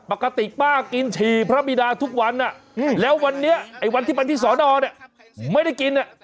ปกติป้ากินฉี่พระบิดาทุกวันแล้ววันนี้ไอ้วันที่ไปที่สอนอเนี่ยไม่ได้กิน